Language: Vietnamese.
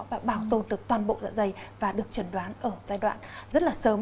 và bảo tồn được toàn bộ dạ dày và được trần đoán ở giai đoạn rất là sớm